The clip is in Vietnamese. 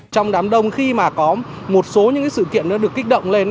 trong đám đông khi mà có một số những sự kiện nó được kích động lên